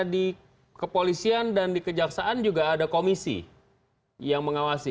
di kepolisian dan di kejaksaan juga ada komisi yang mengawasi